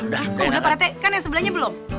kok udah pak rete kan yang sebelahnya belum